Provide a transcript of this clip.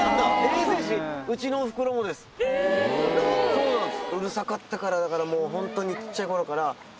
そうなんす。